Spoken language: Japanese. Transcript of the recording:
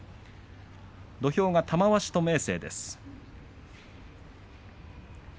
土俵が玉鷲と明生。